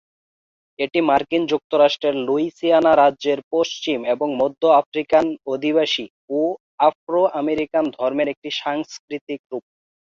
এটি মার্কিন যুক্তরাষ্ট্রের লুইসিয়ানা রাজ্যের পশ্চিম এবং মধ্য আফ্রিকান অধিবাসী ও আফ্রো আমেরিকান ধর্মের একটি সাংস্কৃতিক রূপ।